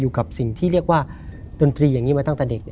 กับสิ่งที่เรียกว่าดนตรีอย่างนี้มาตั้งแต่เด็ก